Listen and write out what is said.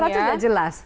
seratusnya udah jelas